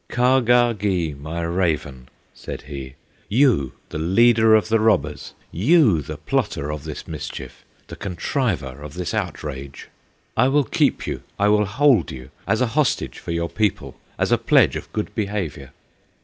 "Kahgahgee, my raven!" said he, "You the leader of the robbers, You the plotter of this mischief, The contriver of this outrage, I will keep you, I will hold you, As a hostage for your people, As a pledge of good behavior!"